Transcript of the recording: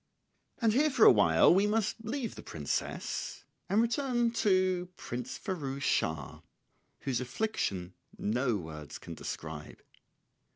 ] And here for a while we must leave the princess and return to Prince Firouz Schah, whose affliction no words can describe.